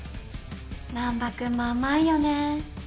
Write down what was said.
・難破君も甘いよね。